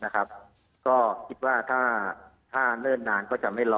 ก็คิดว่าถ้าเลิกนานก็จะไม่รอ